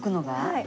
はい。